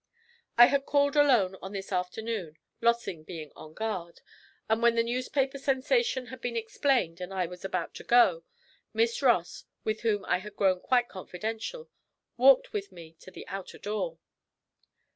I had called alone on this afternoon, Lossing being on guard, and when the newspaper sensation had been explained and I was about to go, Miss Ross, with whom I had grown quite confidential, walked with me to the outer door.